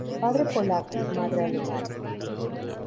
Padre polaco, madre alemana.